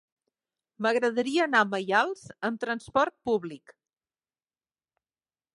M'agradaria anar a Maials amb trasport públic.